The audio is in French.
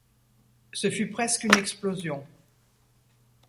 Ce fut presque une explosion.